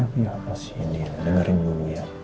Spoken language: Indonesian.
apa sih understand ya dengerin dulu ya